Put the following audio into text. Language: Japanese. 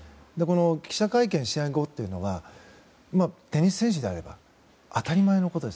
記者会見、試合後というのはテニス選手であれば当たり前のことです。